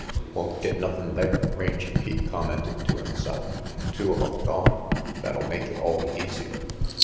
"Won't get nothin' there," Rangy Pete com mented to himself. "Two of 'em gone. That'll make it all the easier."